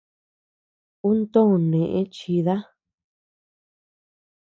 Un too nëe chida.